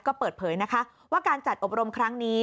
ก็เปิดเผยนะคะว่าการจัดอบรมครั้งนี้